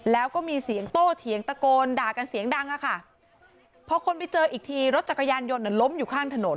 แล้วก็มีเสียงโต้เถียงตะโกนด่ากันเสียงดังอะค่ะพอคนไปเจออีกทีรถจักรยานยนต์ล้มอยู่ข้างถนน